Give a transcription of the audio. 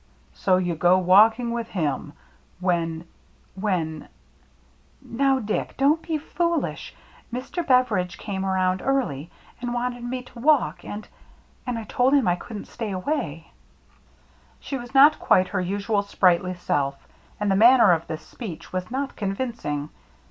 "So you go walking with him, when — when —"" Now, Dick, don't be foolish. Mr. Bever idge came around early, and wanted me to walk, and — and I told him I couldn't stay away —" She was not quite her usual sprightly self; and the manner of this speech was not convinc ing.